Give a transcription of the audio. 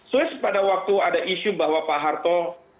swiss pada waktu ada isu bahwa pak harto